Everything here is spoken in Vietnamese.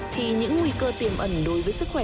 thì những nguy cơ tiềm ẩn đối với sức khỏe